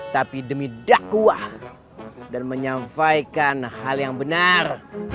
tapi demi dakwah dan menyampaikan hal yang benar